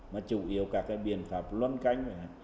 mà chủ yếu cả cái biện pháp luân canh